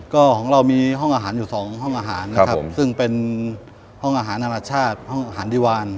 ก็ของเรามีห้องอาหารอยู่สองห้องอาหารนะครับซึ่งเป็นห้องอาหารนานาชาติห้องอาหารดีวาน